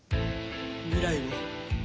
未来を。